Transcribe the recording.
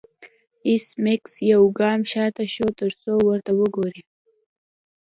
ایس میکس یو ګام شاته شو ترڅو ورته وګوري